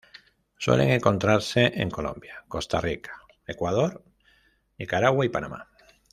Suelen encontrarse en Colombia, Costa Rica, Ecuador, Nicaragua y Panamá.